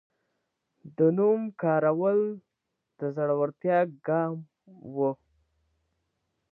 د نوم کارول د زړورتیا ګام و.